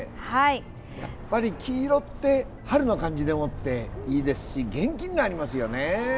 やっぱり黄色って春の感じでもっていいですし元気になりますよね。